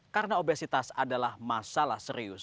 karena obesitas adalah masalah serius